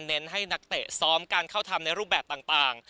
เน้นให้นักเตะซ้อมการเข้าทำในรูปแบบต่าง